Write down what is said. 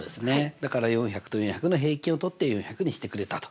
だから４００と４００の平均をとって４００にしてくれたと。